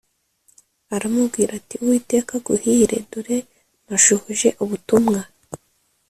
aramubwira ati uwiteka aguhire dore nashohoje ubutumwa